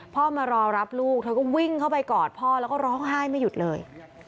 มารอรับลูกเธอก็วิ่งเข้าไปกอดพ่อแล้วก็ร้องไห้ไม่หยุดเลย